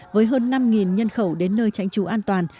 với hơn năm nhân khẩu đến nơi tránh trú an toàn